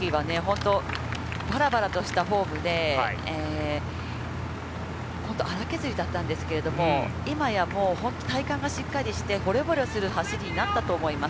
最初１年生で見たときはバラバラとしたフォームで荒削りだったんですけれども、今やもう体幹がしっかりして、惚れ惚れする走りになったと思います。